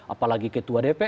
apalagi ketua dpr